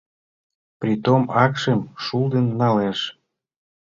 Притом акшым шулдын налеш.